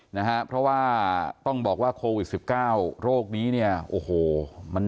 นะฮะเพราะว่าต้องบอกว่าโควิด๑๙โรคนี้เนี่ยโอ้โหมัน